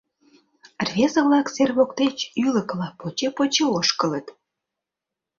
Рвезе-влак сер воктеч ӱлыкыла поче-поче ошкылыт.